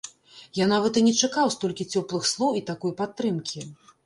Я нават і не чакаў столькі цёплых слоў і такой падтрымкі.